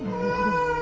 bapak sudah selesai kak